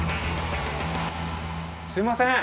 すいません。